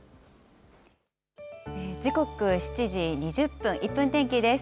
時刻７時２０分、１分天気です。